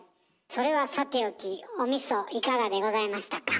それはさておきおみそいかがでございましたか？